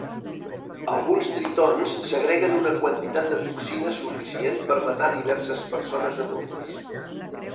Alguns tritons segreguen una quantitat de toxines suficient per matar diverses persones adultes.